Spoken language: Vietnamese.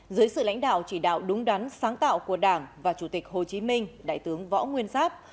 dưới sự lãnh đạo chỉ đạo đúng đắn sáng tạo của đảng và chủ tịch hồ chí minh đại tướng võ nguyên giáp